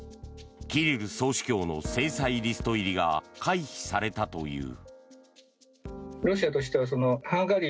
キリル総主教の制裁リスト入りが回避されたという。